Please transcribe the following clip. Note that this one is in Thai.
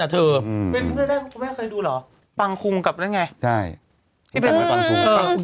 เป็นเพื่อนกันแม่งเคยดูหรอปังคุงกับนั่นไงใช่ที่เป็นปังคุง